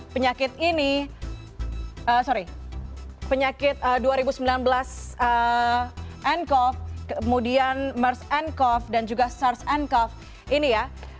penyakit ini sorry penyakit dua ribu sembilan belas ncov kemudian mers ncov dan juga sars ncov ini ya